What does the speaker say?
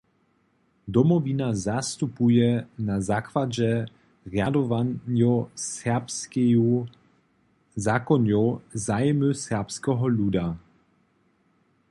Domowina zastupuje na zakładźe rjadowanjow Serbskeju zakonjow zajimy serbskeho luda.